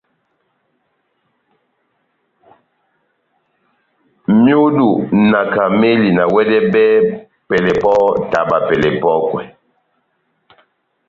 Myudu na kamɛli na wɛdɛbɛhɛni pɛlɛ pɔhɔ́, taba pɛlɛ epɔ́kwɛ.